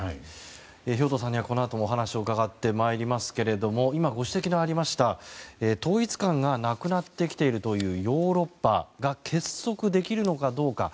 兵頭さんには、このあともお話を伺っていきますが今ご指摘のありました、統一感がなくなってきているというヨーロッパが結束できるのかどうか。